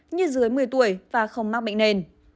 như dưới một mươi tuổi và không mắc bệnh nền